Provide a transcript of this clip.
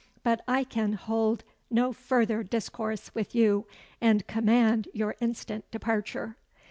But I can hold no further discourse with you, and command your instant departure."